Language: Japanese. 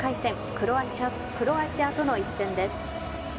クロアチアとの一戦です。